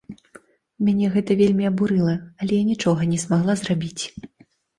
Мяне гэта вельмі абурыла, але я нічога не змагла зрабіць.